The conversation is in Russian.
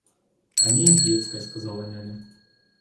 — Они и в детской, — сказала няня.